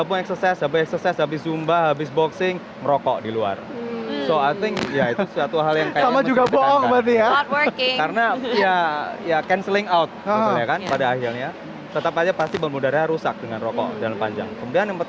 populasi penduduk dunia